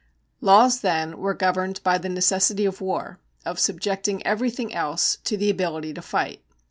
Laws then were governed by the necessity of war, of subjecting everything else to the ability to fight.